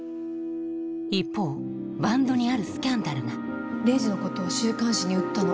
一方バンドにあるスキャンダルがレイジのことを週刊誌に売ったの。